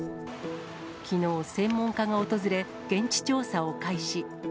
きのう、専門家が訪れ、現地調査を開始。